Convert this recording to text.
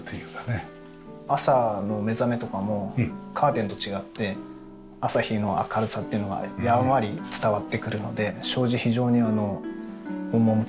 朝の目覚めとかもカーテンと違って朝日の明るさっていうのがやんわり伝わってくるので障子非常に趣がありますね。